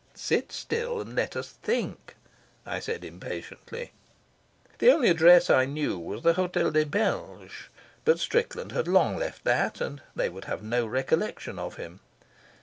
"Sit still and let us think," I said impatiently. The only address I knew was the Hotel des Belges, but Strickland had long left that, and they would have no recollection of him.